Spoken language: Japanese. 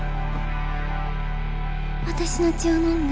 私の血を飲んで。